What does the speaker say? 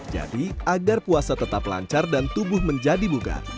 jadi agar puasa tetap lancar dan tubuh menjadi bugar